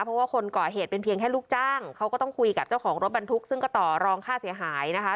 เพราะว่าคนก่อเหตุเป็นเพียงแค่ลูกจ้างเขาก็ต้องคุยกับเจ้าของรถบรรทุกซึ่งก็ต่อรองค่าเสียหายนะคะ